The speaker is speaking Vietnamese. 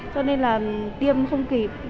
cho nên tiêm không kịp